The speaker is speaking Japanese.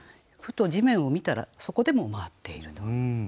ふと地面を見たらそこでも回っていると。